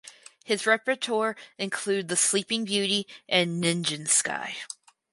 His repertoire include "The Sleeping Beauty" and "Nijinsky".